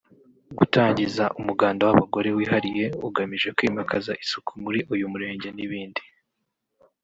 gutangiza umuganda w’abagore wihariye ugamije kwimikaza isuku muri uyu murenge n’ibindi